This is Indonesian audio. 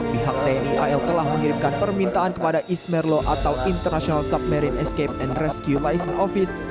pihak tni il telah mengirimkan permintaan kepada ismerlo atau international submarine escape and rescue license office